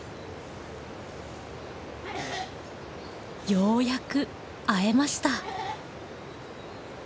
・ようやく会えました。